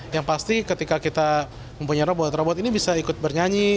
yang pasti ketika kita mempunyai robot robot ini bisa ikut bernyanyi